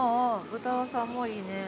豚さんもいいね。